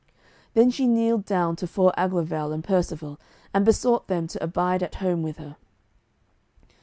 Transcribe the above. Then she kneeled down tofore Aglovale and Percivale, and besought them to abide at home with her.